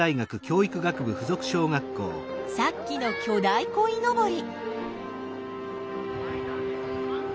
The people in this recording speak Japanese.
さっきの巨大こいのぼり。